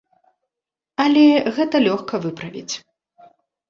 Але гэта лёгка выправіць.